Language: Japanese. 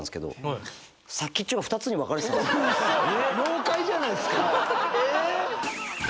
妖怪じゃないですか！